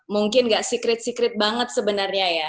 mungkin gak secret secret banget sebenarnya ya